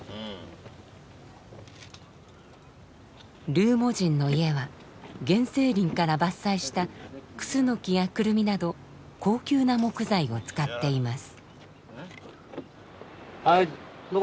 ルーモ人の家は原生林から伐採したクスノキやクルミなど高級な木材を使っています。